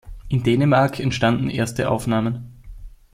In Dänemark entstanden erste Aufnahmen.